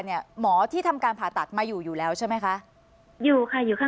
หมอที่ทำการผ่าตัดมาอยู่แล้วใช่มั้ยคะ